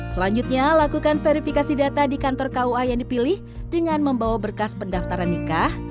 selanjutnya lakukan verifikasi data di kantor kua yang dipilih dengan membawa berkas pendaftaran nikah